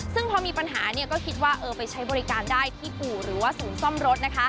ซึ่งพอมีปัญหาก็คิดว่าไปใช้บริการได้ที่อู่หรือว่าศูนย์ซ่อมรถ